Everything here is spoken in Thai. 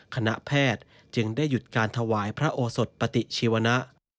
คณะแพทย์จึงได้หยุดการถวายพระโอสดปฏิชีวนะ